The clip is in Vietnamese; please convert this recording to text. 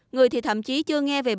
người thì thậm chí chưa nghe về bệnh